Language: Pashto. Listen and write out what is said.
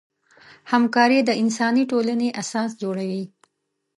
همکاري د انساني ټولنې اساس جوړوي.